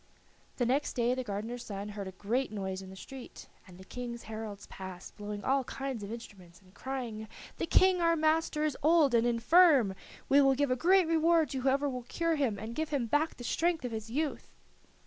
The next day the gardener's son heard a great noise in the street, and the King's heralds passed, blowing all kinds of instruments, and crying: "The King, our master, is old and infirm. He will give a great reward to whoever will cure him and give him back the strength of his youth."